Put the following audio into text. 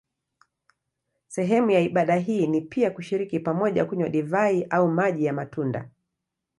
Sehemu ya ibada hii ni pia kushiriki pamoja kunywa divai au maji ya matunda.